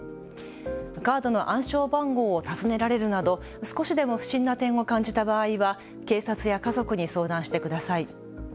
カードの暗証番号を尋ねられるなど少しでも不審な点を感じた場合は警察や家族に相談してください。